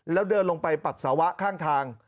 แล้วเดินลงไปปัสสาวะข้างทาง